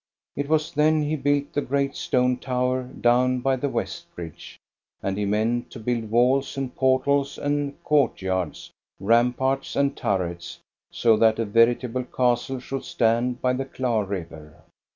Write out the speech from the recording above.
It was then he built the great stone tower down by the west bridge, and he meant to build walls and portals and court yards, ramparts and turrets, so that a veritable castle should stand by the Klar River.